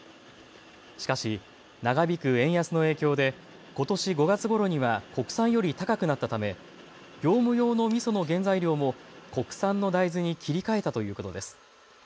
しかし長引く円安の影響でことし５月ごろには国産より高くなったため業務用のみその原材料も国産の大豆に切り替えたということです。